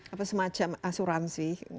apa semacam asuransi